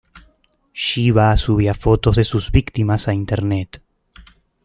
Shiba subía fotos de sus víctimas a Internet.